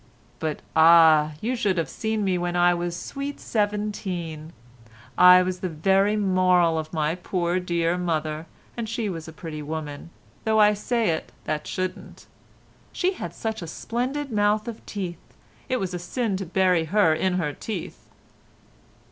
"But ah! you should have seen me when I was sweet seventeen. I was the very moral of my poor dear mother, and she was a pretty woman, though I say it that shouldn't. She had such a splendid mouth of teeth. It was a sin to bury her in her teeth."